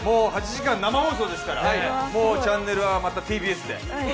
８時間生放送ですからチャンネルはＴＢＳで。